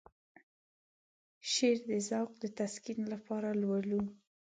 شعر د ذوق د تسکين لپاره لولو.